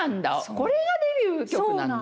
これがデビュー曲なんだ。